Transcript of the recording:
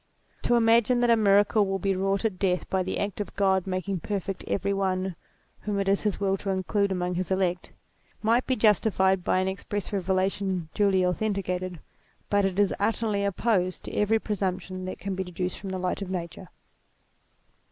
To imagine that a miracle will be wrought at death by the act of God making perfect every one whom it is his will to include among his elect, might be justified by an express revelation duly authenticated, but is utterly opposed to every presumption that <jan be deduced from the light of Nciture.